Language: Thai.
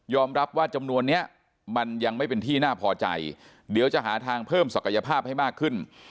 รับว่าจำนวนนี้มันยังไม่เป็นที่น่าพอใจเดี๋ยวจะหาทางเพิ่มศักยภาพให้มากขึ้น